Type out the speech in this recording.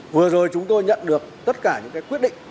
vừa rồi chúng tôi nhận được tất cả những cái quyết định